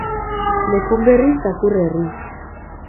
Lekunberri zakur herri.